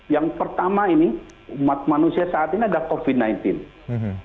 yang pertama ini umat manusia saat ini ada covid sembilan belas